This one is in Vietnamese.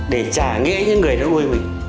để trả nghĩa cho những người đó ôi mình